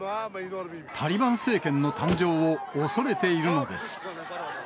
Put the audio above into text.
タリバン政権の誕生を恐れているのです。